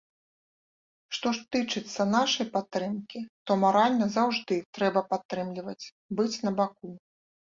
Што ж тычыцца нашай падтрымкі, то маральна заўжды трэба падтрымліваць, быць на баку.